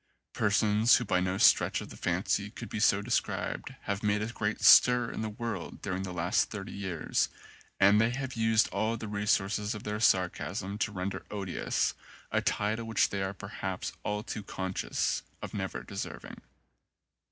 Persons who by no stretch of the fancy could be so described have made a great stir in the world during the last thirty years and they have used all the resources of their sarcasm to render odious a title which they are perhaps all too conscious of never de serving.